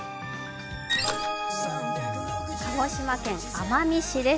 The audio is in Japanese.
鹿児島県奄美市です。